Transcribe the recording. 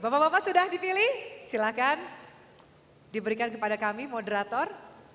bapak bapak sudah dipilih silahkan diberikan kepada kami moderator